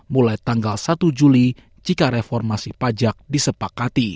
mulai tanggal satu juli jika reformasi pajak disepakati